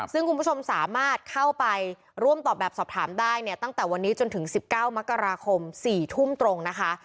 ซึ่งคุณผู้ชมสามารถเข้าไปร่วมตอบแบบสอบถามได้เนี่ยตั้งแต่วันนี้จนถึง๑๙มกราคม๔ทุ่มตรงนะคะ